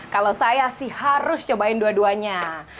kalau saya sih harus cobain dua duanya